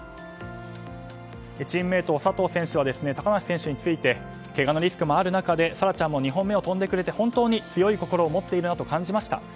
チームメートの佐藤選手は高梨選手についてけがのリスクもある中で沙羅ちゃんも２本目を飛んでくれて本当に強い心を持っているなと感じました。